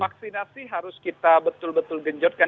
vaksinasi harus kita betul betul genjotkan